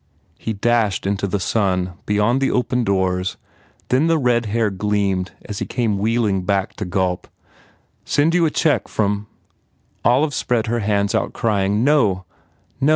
He dashed into the sun beyond the open doors then the red hair gleamed as he came wheeling back to gulp, "Send you a check from " Olive spread her hands out crying, "No!